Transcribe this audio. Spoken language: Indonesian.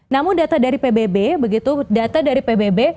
namun data dari pbb